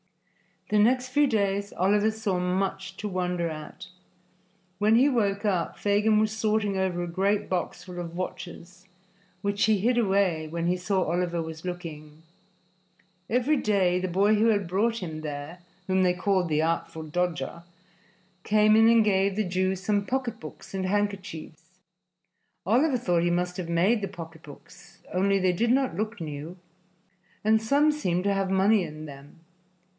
The next few days Oliver saw much to wonder at. When he woke up, Fagin was sorting over a great box full of watches, which he hid away when he saw Oliver was looking. Every day the boy who had brought him there, whom they called "the Artful Dodger," came in and gave the Jew some pocketbooks and handkerchiefs. Oliver thought he must have made the pocketbooks, only they did not look new, and some seemed to have money in them.